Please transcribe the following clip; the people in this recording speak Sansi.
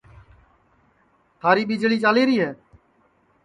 تھاری ٻیجݪی چالیری ہے